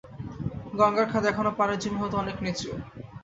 গঙ্গার খাদ এখনও পাড়ের জমি হতে অনেক নীচু।